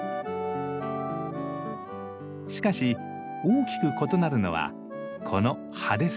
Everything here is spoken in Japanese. しかし大きく異なるのはこの葉です。